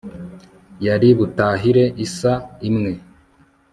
yari butahire i saaa imwe